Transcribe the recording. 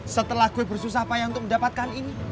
setelah gue bersusah payah untuk mendapatkan ini